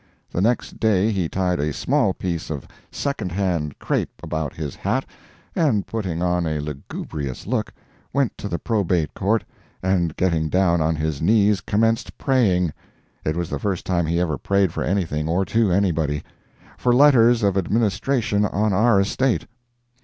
The next day he tied a small piece of second hand crape about his hat, and putting on a lugubrious look, went to the Probate Court, and getting down on his knees commenced praying—it was the first time he ever prayed for anything or to anybody—for letters of administration on our estate.